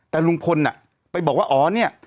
แต่ลุงพลไปบอกว่าอ๋อเนี่ย